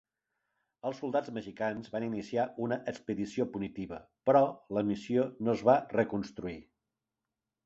Els soldats mexicans van iniciar una expedició punitiva, però la missió no es va reconstruir.